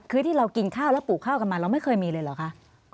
คือที่เรากินข้าวแล้วปลูกข้าวกันมาเราไม่เคยมีเลยเหรอคะ